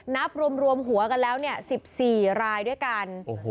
นับรวมหัวกันแล้ว๑๔รายด้วยกัน